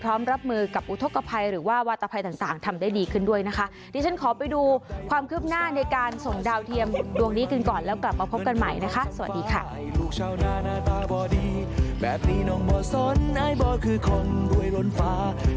แล้วกลับมาพบกันใหม่นะคะสวัสดีค่ะ